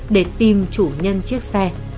để tìm chủ nhân chiếc xe